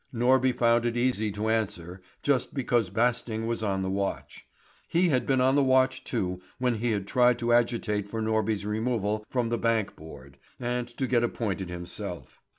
Norby found it easy to answer, just because Basting was on the watch. He had been on the watch, too, when he had tried to agitate for Norby's removal from the bank board, and to get appointed himself.